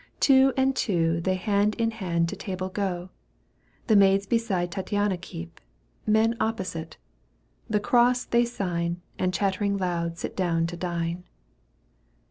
Two and two They hand in hand to table go. The maids beside Tattiana keep — Men Opposite. The cross they sign And chattering loud sit down to dine.